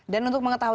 dan untuk mengetahui